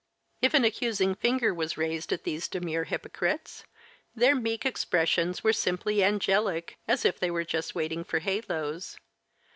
If an accusing finger was raised at these demure hypocrites, their meek expressions were simply angelic, as if they were just waiting for halos.